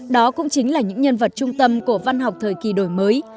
đó cũng chính là những nhân vật trung tâm của văn học thời kỳ đổi mới